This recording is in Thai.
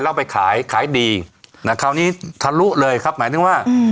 แล้วไปขายขายดีนะคราวนี้ทะลุเลยครับหมายถึงว่า